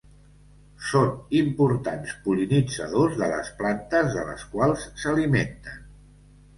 Són importants pol·linitzadors de les plantes de les quals s'alimenten.